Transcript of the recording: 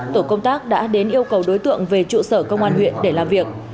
tổ công tác đã đến yêu cầu đối tượng về trụ sở công an huyện để làm việc